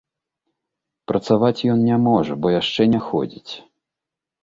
Працаваць ён не можа, бо яшчэ не ходзіць.